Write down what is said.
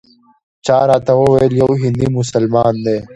چا راته وویل یو هندي مسلمان دی.